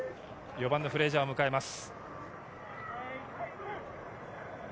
４番のフレイジャーを迎えます。